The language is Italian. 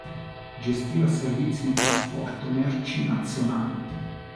Gestiva servizi di trasporto merci nazionali.